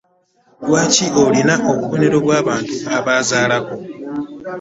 Lwaki olina obubonero bw'abantu abaazaalako?